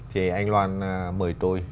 thì anh loan mời tôi